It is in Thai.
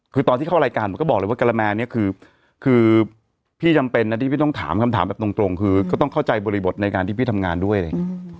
คือตอนที่เข้ารายการผมก็บอกเลยว่ากะละแมเนี่ยคือพี่จำเป็นนะที่พี่ต้องถามคำถามแบบตรงคือก็ต้องเข้าใจบริบทในการที่พี่ทำงานด้วยอะไรอย่างนี้